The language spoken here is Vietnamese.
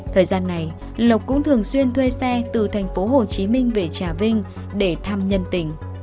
thời gian này lộc cũng thường xuyên thuê xe từ thành phố hồ chí minh về trà vinh để thăm nhân tình